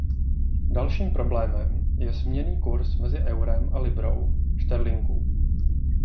Dalším problémem je směnný kurz mezi eurem a librou šterlinků.